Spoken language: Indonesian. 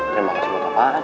terima kasih buat apaan